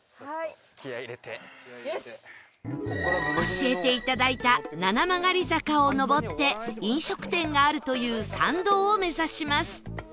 教えていただいた七曲り坂を上って飲食店があるという参道を目指します